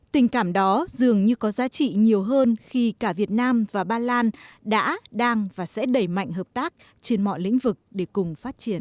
tình cảm đó dường như có giá trị nhiều hơn khi cả việt nam và ba lan đã đang và sẽ đẩy mạnh hợp tác trên mọi lĩnh vực để cùng phát triển